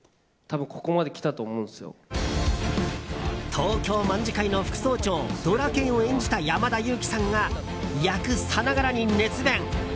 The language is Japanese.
東京卍會の副総長ドラケンを演じた山田裕貴さんが役さながらに熱弁。